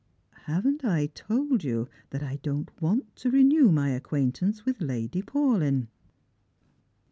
" Haven't I told you that I don't want to renew my acquain tance with Lady Paulyn